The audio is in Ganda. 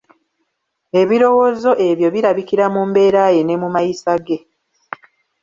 Ebirowoozo ebyo birabikira mu mbera ye ne mu mayisa ge.